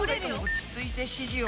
落ち着いて指示を。